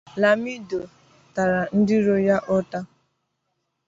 Lamido tara ndị iro ya ụta.